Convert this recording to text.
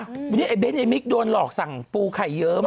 อ้าววันนี้เบนมิกโดนหลอกสั่งปูไข่เยอะ